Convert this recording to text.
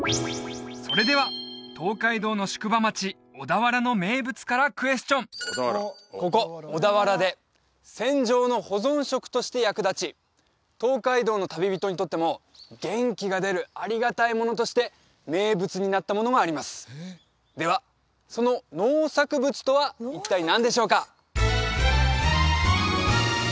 それでは東海道の宿場町小田原の名物からクエスチョンここ小田原で戦場の保存食として役立ち東海道の旅人にとっても元気が出るありがたいものとして名物になったものがありますではその農作物とは一体何でしょうか？